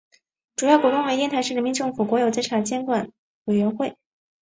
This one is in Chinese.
主要股东为烟台市人民政府国有资产监督管理委员会。